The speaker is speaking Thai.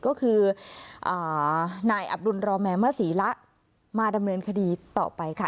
ก็คือนายอับดุลรอแมมศรีละมาดำเนินคดีต่อไปค่ะ